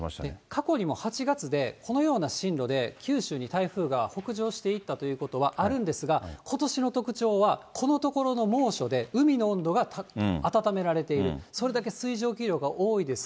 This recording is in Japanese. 過去にも８月で、このような進路で九州に台風が北上していったということはあるんですが、ことしの特徴は、このところの猛暑で、海の温度が温められている、それだけ水蒸気量が多いです。